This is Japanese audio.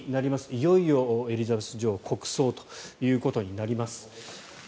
いよいよエリザベス女王国葬ということになります。